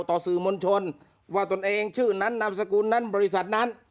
ต่อสื่อมวลชนว่าตนเองชื่อนั้นนามสกุลนั้นบริษัทนั้น